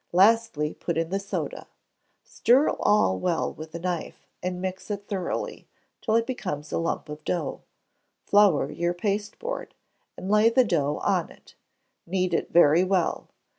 Lastly, put in the soda. Stir all well with a knife, and mix it thoroughly, till it becomes a lump of dough. Flour your pasteboard, and lay the dough on it. Knead it very well.